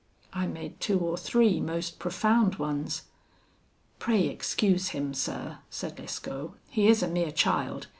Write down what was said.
I made two or three most profound ones. 'Pray excuse him, sir,' said Lescaut, 'he is a mere child.